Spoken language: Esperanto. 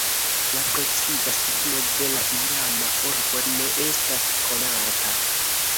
La preciza situo de la iama urbo ne estas konata.